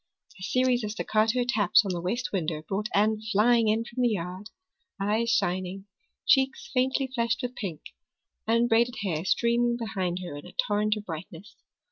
A series of staccato taps on the west window brought Anne flying in from the yard, eyes shining, cheeks faintly flushed with pink, unbraided hair streaming behind her in a torrent of brightness.